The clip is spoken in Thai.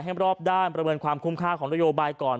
รอบด้านประเมินความคุ้มค่าของนโยบายก่อน